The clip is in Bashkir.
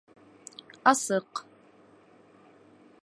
Асыҡ